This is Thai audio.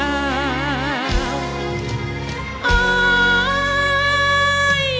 อ้ายยยยยยยยยยยย